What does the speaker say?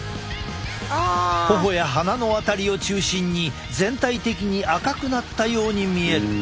頬や鼻の辺りを中心に全体的に赤くなったように見える。